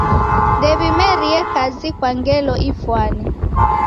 Ndew'imerie kazi kwa ngelo ifwane.